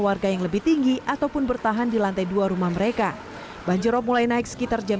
warga yang lebih tinggi ataupun bertahan di lantai dua rumah mereka banjirop mulai naik sekitar jam